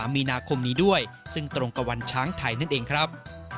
มีนาคมนี้ด้วยซึ่งตรงกับวันช้างไทยนั่นเองครับ